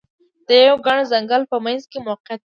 د یوه ګڼ ځنګل په منځ کې موقعیت درلود.